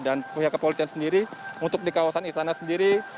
dan pihak kepolisian sendiri untuk di kawasan istana sendiri